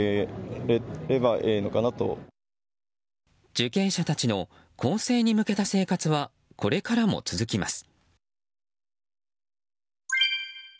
受刑者たちの更生に向けた生活は、これからも続きます。